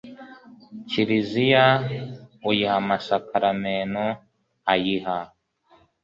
kiliziya, uyiha amasakramentu, ayiha